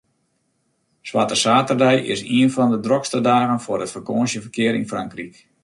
Swarte saterdei is ien fan de drokste dagen foar it fakânsjeferkear yn Frankryk.